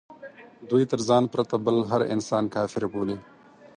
دوی تر ځان پرته بل هر انسان کافر بولي.